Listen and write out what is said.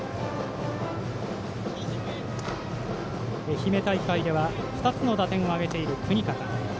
愛媛大会では２つの打点を挙げている國方。